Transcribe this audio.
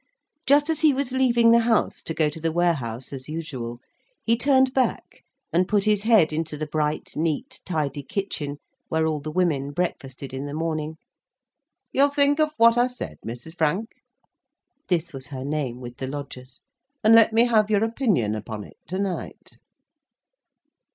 Just as he was leaving the house, to go to the warehouse as usual, he turned back and put his head into the bright, neat, tidy kitchen, where all the women breakfasted in the morning: "You'll think of what I said, Mrs. Frank" (this was her name with the lodgers), "and let me have your opinion upon it to night."